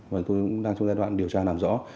và tôi cũng đang trong giai đoạn điều tra làm rõ